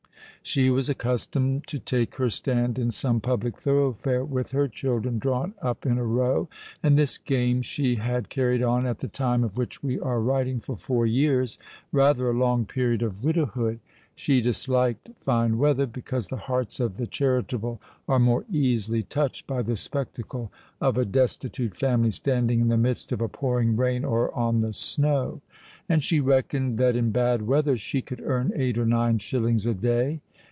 She was accustomed to take her stand in some public thoroughfare, with her children drawn up in a row; and this game she had carried on, at the time of which we are writing, for four years—rather a long period of widowhood. She disliked fine weather, because the hearts of the charitable are more easily touched by the spectacle of a "destitute family" standing in the midst of a pouring rain or on the snow; and she reckoned that in bad weather she could earn eight or nine shillings a day.